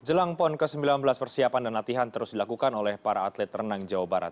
jelang pon ke sembilan belas persiapan dan latihan terus dilakukan oleh para atlet renang jawa barat